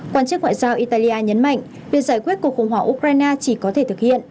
quan chức ngoại giao italia nhấn mạnh việc giải quyết cuộc khủng hoảng ukraine chỉ có thể thực hiện